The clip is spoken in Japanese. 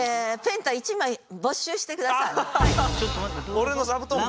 俺の座布団が。